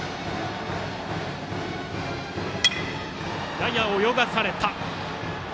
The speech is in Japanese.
やや泳がされた。